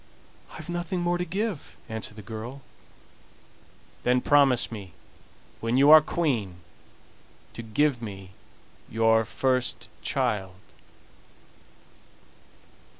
"I've nothing more to give," answered the girl. "Then promise me when you are Queen to give me your first child."